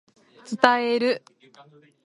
伝える